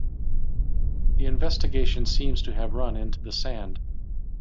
The investigation seems to have run into the sand.